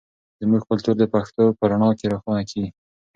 زموږ کلتور د پښتو په رڼا کې روښانه کیږي.